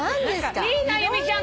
いいな由美ちゃん